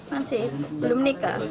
masih belum nikah